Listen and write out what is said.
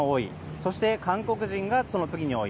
そして韓国人がその次に多い。